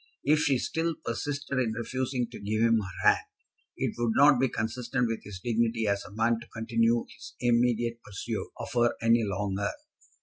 If she still persisted in refusing to give him her hand, it would not be consistent with his dignity as a man to continue his immediate pursuit of her any longer.